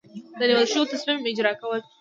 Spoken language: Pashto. د نیول شوي تصمیم اجرا کول.